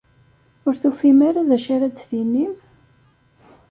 Ur tufim ara d acu ara d-tinim?